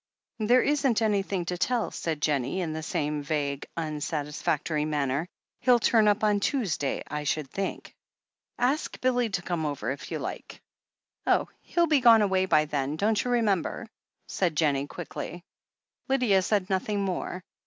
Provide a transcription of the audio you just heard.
if There isn't anything to tell," said Jennie, in the same vague, unsatisfactory manner, "He'll turn up on Tuesday, I should think." THE HEEL OF ACHILLES 375 "Ask Billy to come over, if you like." "Oh, he'll be gone away by then, don't you remem ber?" said Jennie quickly. Lydia said nothing more.